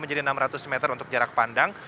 menjadi enam ratus meter untuk jarak pandang